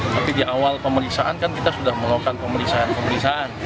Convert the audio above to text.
tapi di awal pemeriksaan kan kita sudah melakukan pemeriksaan pemeriksaan